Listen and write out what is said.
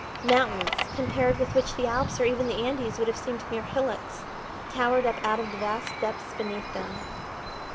Mountains, compared with which the Alps or even the Andes would have seemed mere hillocks, towered up out of the vast depths beneath them.